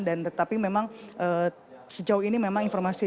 dan tetapi memang sejauh ini memang informasi